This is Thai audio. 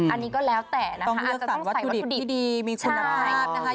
อันนี้ก็แล้วแต่นะคะอาจจะต้องใส่วัตถุดิตที่ดีมีคุณภาพนะคะ